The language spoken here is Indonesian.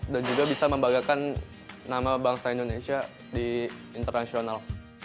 dan juga bisa membanggakan nama bangsa indonesia di internasional